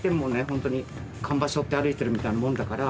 本当に看板しょって歩いてるみたいなもんだから。